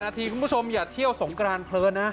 นาทีคุณผู้ชมอย่าเที่ยวสงกรานเพลินนะ